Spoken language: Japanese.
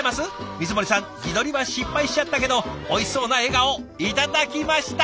光森さん自撮りは失敗しちゃったけどおいしそうな笑顔頂きました。